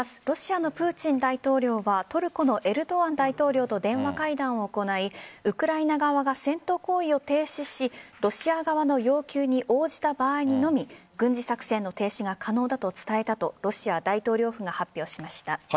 ロシアのプーチン大統領はトルコのエルドアン大統領と電話会談を行いウクライナ側が戦闘行為を停止しロシア側の要求に応じた場合にのみ軍事作戦の停止が可能だと伝えたとロシア大統領府が発表しました。